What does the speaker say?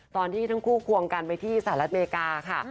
ตอนที่ทั้งคู่ควงกันไปที่สหรัฐอเมริกาค่ะ